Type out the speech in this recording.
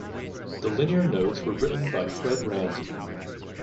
The linear notes were written by Fred Ramsey.